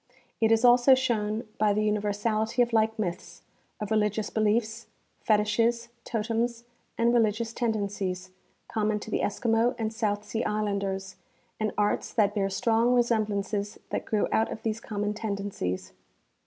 It is also shown by the universality of like myths, of religious beliefs, fetiches, totems and religious tendencies, com mon to the Eskimo and South Sea islanders, and arts that bear strong resemblances that grew out of these common tendencies.